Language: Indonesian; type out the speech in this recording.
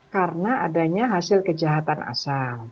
karena adanya hasil kejahatan asal